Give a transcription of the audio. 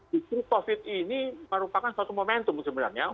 di situ covid ini merupakan suatu momentum sebenarnya